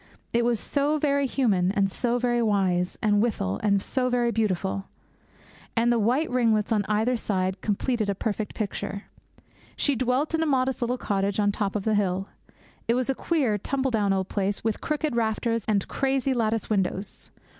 It was so very human, and so very wise, and withal so very beautiful; and the white ringlets on either side completed a perfect picture. She dwelt in a modest little cottage on top of the hill. It was a queer, tumble down old place with crooked rafters and crazy lattice windows.